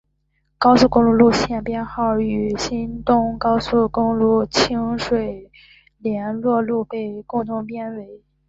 高速公路路线编号与新东名高速公路清水联络路被共同编为。